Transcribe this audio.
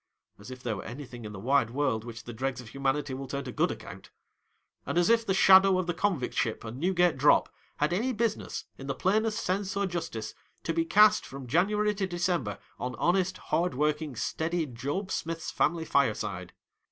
As if there were anything in the wide world which the dregs of humanity will turn to good account ! And as if the shadow of the convict ship and Newgate drop had any business, in the plainest sense or justice, to be cast, from January to December, on honest hardworking, steady Job Smith's family fireside